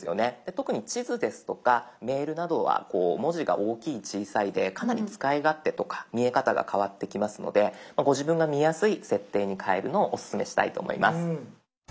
特に地図ですとかメールなどは文字が大きい小さいでかなり使い勝手とか見え方が変わってきますのでご自分が見やすい設定に変えるのをオススメしたいと思います。